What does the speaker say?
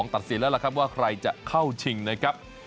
ตัดสินแล้วล่ะครับว่าใครจะเข้าชิงนะครับ